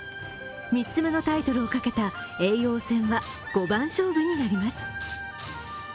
３つ目のタイトルをかけた叡王戦は、五番勝負になります。